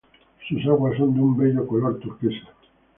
Sus aguas son de un bello color turquesa.